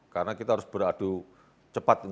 karena kita harus beradu cepat